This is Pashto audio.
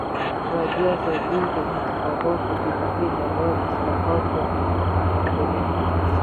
ازادي راډیو د د انتخاباتو بهیر په اړه د اصلاحاتو غوښتنې راپور کړې.